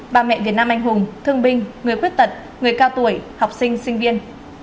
bà mẹ việt nam anh hùng thương binh người khuyết tật người cao tuổi học sinh sinh viên